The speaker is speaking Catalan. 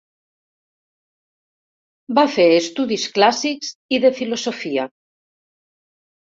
Va fer estudis clàssics i de filosofia.